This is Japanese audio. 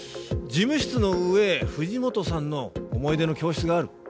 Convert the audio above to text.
事務室の上藤本さんの思い出の教室がある。